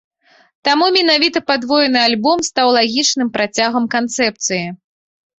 Таму менавіта падвоены альбом стаў лагічным працягам канцэпцыі.